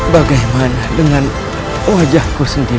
bagaimana dengan wajahku sendiri